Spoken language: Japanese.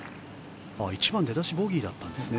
１番、出だしボギーだったんですね。